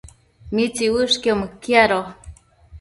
¿mitsiuëshquio mëquiado?